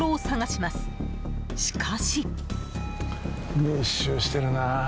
しかし。